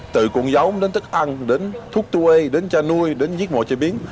từ cuộn giống đến thức ăn đến thuốc tuê đến cha nuôi đến giết mộ chế biến